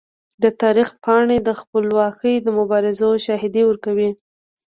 د تاریخ پاڼې د خپلواکۍ د مبارزو شاهدي ورکوي.